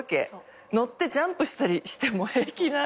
乗ってジャンプしたり。